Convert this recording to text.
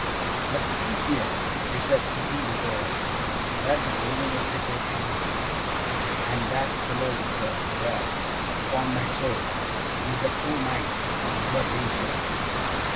'But see here,' he said, looking before us, 'where the original little Em'ly comes! And that fellow with her, eh? Upon my soul, he's a true knight. He never leaves her!